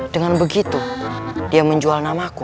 dengan begitu dia menjual namaku